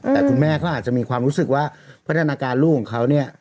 แต่คุณแม่เขาอาจจะมีความรู้สึกว่าพัฒนาการลูกของเขาเนี่ย